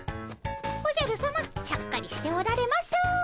おじゃるさまちゃっかりしておられます。